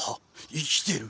生きてる！